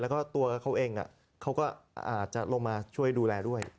แล้วก็ตัวเขาเองเขาก็อาจจะลงมาช่วยดูแลด้วย